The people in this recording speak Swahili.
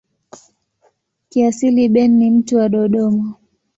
Kiasili Ben ni mtu wa Dodoma.